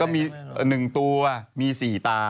มี๑ตัวมี๔ตา